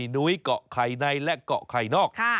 สวัสดีครับ